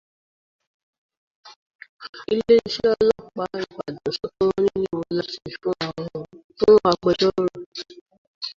Ilé iṣẹ́ ọlọ́pàá Ìbàdàn sọ pé wọ́n nílò owó láti fún agbẹjọ́rò